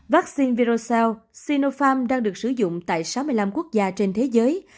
vắc xin virocell sinopharm đang được sử dụng tại sáu mươi năm quốc gia trên thế giới